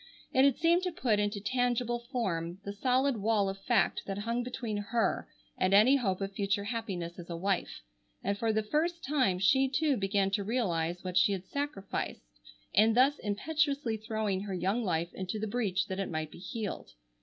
It had seemed to put into tangible form the solid wall of fact that hung between her and any hope of future happiness as a wife, and for the first time she too began to realize what she had sacrificed in thus impetuously throwing her young life into the breach that it might be healed.